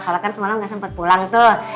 soalnya kan semalam gak sempet pulang tuh